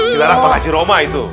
dilarang penghaji roma itu